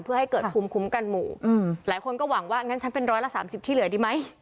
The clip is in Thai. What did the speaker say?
เพื่อให้เกิดภูมิคุ้มกันหมู่หลายคนก็หวังว่างั้นฉันเป็นร้อยละ๓๐ที่เหลือดีไหม